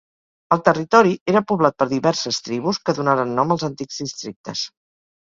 El territori era poblat per diverses tribus que donaren nom als antics districtes.